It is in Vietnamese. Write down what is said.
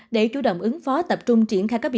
để chủ động ứng phó tập trung triển khai các vật nuôi